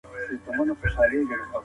ایا تکړه پلورونکي وچه میوه پلوري؟